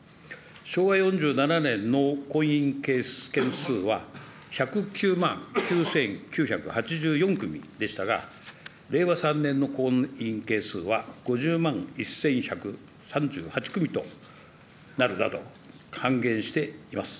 昭和４７年の婚姻件数は１０９万９９８４組でしたが、令和３年の婚姻件数は５０万１１３８組となるなど、半減しています。